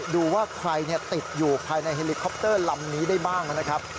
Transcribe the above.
ดูว่าใครติดอยู่ภายในเฮลิคอปเตอร์ลำนี้ได้บ้างนะครับ